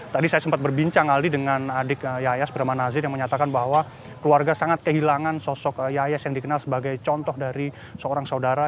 tadi saya sempat berbincang aldi dengan adik yayas bernama nazir yang menyatakan bahwa keluarga sangat kehilangan sosok yayas yang dikenal sebagai contoh dari seorang saudara